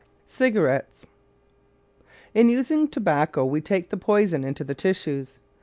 CIGARETTES In using tobacco we take the poison into the tissues.